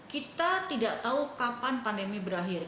kita tidak tahu kapan pandemi berakhir